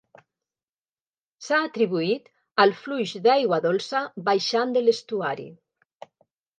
S'ha atribuït al fluix d'aigua dolça baixant de l'estuari.